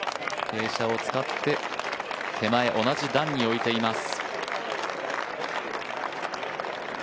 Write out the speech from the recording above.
傾斜を使って手前、同じ段に置いています。